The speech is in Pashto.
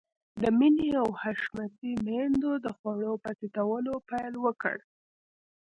د مينې او حشمتي ميندو د خوړو په تيتولو پيل وکړ.